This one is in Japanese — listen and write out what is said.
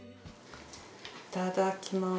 いただきます。